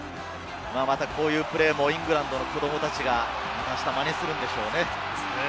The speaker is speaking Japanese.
また、こういうプレーもイングランドの子供たちが、あしたマネするんでしょうね。